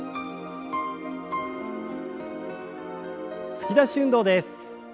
突き出し運動です。